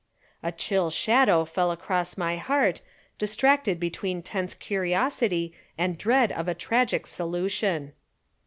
A chill shadow fell across my heart, distracted between tense curiosity and dread of a tragic solution.